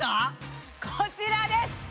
こちらです！